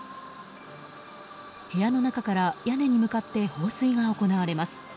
部屋の中から屋根に向かって放水が行われます。